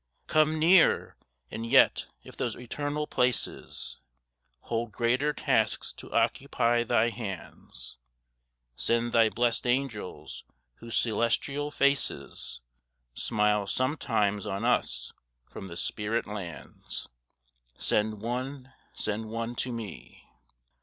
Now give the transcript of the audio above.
Come near, and yet if those eternal places Hold greater tasks to occupy Thy hands, Send Thy blest angels whose celestial faces Smile sometimes on us from the spirit lands. Send one, send one to me!